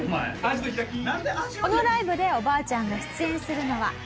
このライブでおばあちゃんが出演するのは。